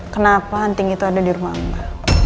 kenapa hunting itu ada di rumahmu